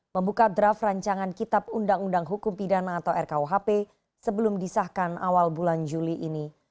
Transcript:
membuka draft rancangan kitab undang undang hukum pidana atau rkuhp sebelum disahkan awal bulan juli ini